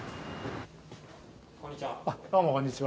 こんにちは。